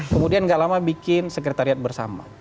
kemudian gak lama bikin sekretariat bersama